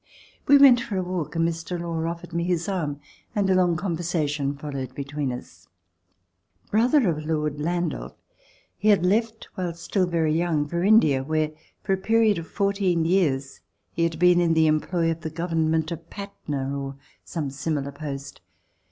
We went for a walk, and Mr. Law offered me his arm and a long conversation followed between us. Brother of Lord Landaff, he had left while still very young for India, where, for a period of fourteen years, he had been in the em ploy of the Government of Patna, or some similar post.